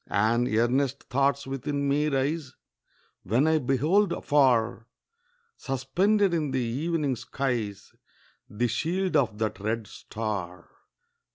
And earnest thoughts within me rise, When I behold afar, Suspended in the evening skies The shield of that red star.